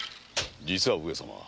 実は上様。